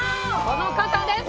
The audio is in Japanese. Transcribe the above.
この方です。